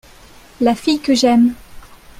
La fille que j'aime.